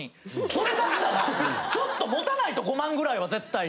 それだったらちょっと持たないと５万ぐらいは絶対に。